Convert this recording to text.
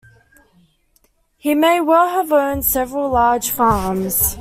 He may well have owned several large farms.